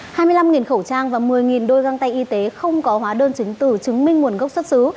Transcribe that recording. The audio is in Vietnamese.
hai mươi năm khẩu trang và một mươi đôi găng tay y tế không có hóa đơn chứng từ chứng minh nguồn gốc xuất xứ